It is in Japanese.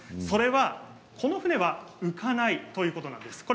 それはこの船は浮かないということなんです。